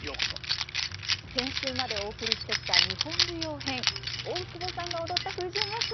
先週までお送りしてきた日本舞踊編大久保さんが踊った「藤娘」